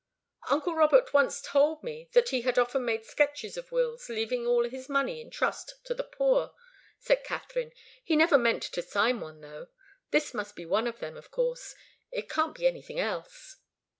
" "Uncle Robert once told me that he had often made sketches of wills leaving all his money in trust to the poor," said Katharine. "He never meant to sign one, though. This must be one of them of course it can't be anything else!"